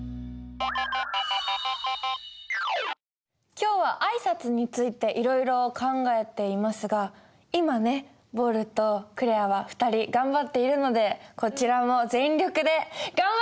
今日は挨拶についていろいろ考えていますが今ねぼるとくれあは２人頑張っているのでこちらも全力でイェ！